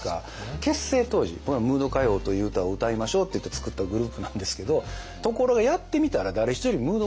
結成当時「ムード歌謡という歌を歌いましょう」っていって作ったグループなんですけどところがやってみたら誰一人ムード